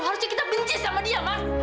harusnya kita benci sama dia mas